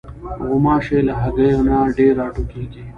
غوماشې له هګیو نه ډېرې راټوکېږي.